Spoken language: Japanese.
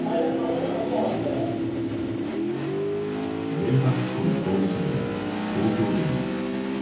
原発事故の当事者である東京電力。